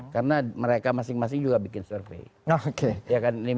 karena mereka masing masing juga bikin survei